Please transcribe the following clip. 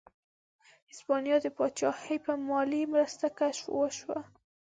د هسپانیا د پاچاهۍ په مالي مرسته کشف وشوه.